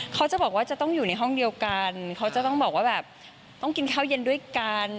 เขาจะบอกว่าจะต้องอยู่ในห้องเดียวกันเขาจะต้องบอกว่าแบบต้องกินข้าวเย็นด้วยกัน